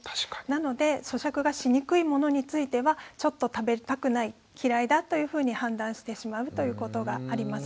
なのでそしゃくがしにくいものについてはちょっと食べたくない嫌いだというふうに判断してしまうということがあります。